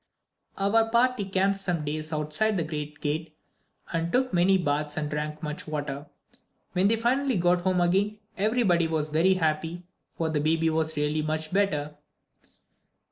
Our party camped some days outside the great gate and took many baths and drank much water. When they finally got home again, everybody was very happy, for the baby was really much better.